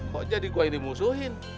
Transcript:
kok jadi gua yang dimusuhin